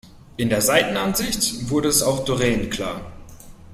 In der Seitenansicht wurde es auch Doreen klar.